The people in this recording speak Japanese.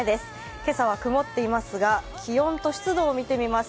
今朝は曇っていますが、気温と湿度を見てみます。